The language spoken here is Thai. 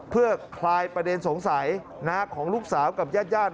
เพื่อคลายประเด็นสงสัยของลูกสาวกับญาติ